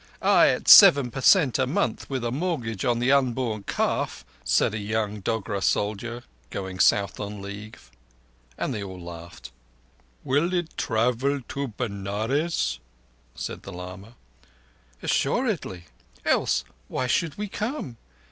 "Ay, at seven per cent a month with a mortgage on the unborn calf," said a young Dogra soldier going south on leave; and they all laughed. "Will it travel to Benares?" said the lama. "Assuredly. Else why should we come?